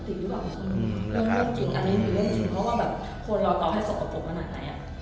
อันนี้เป็นเรื่องจริงเพราะว่าคนรอต่อให้สกปรบประมาณไหน